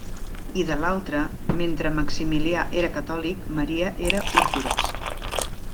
I de l'altra, mentre Maximilià era catòlic, Maria era ortodoxa.